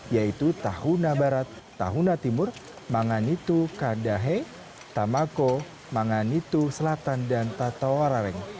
yaitu tahuna barat tahuna timur manganitu kadahe tamako manganitu selatan dan tatawarareng